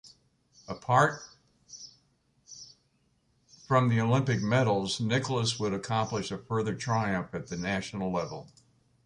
Apart form the Olympic medals, Nicolás would accomplish a further triumph at the national level.